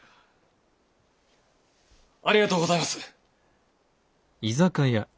ありがとうございます。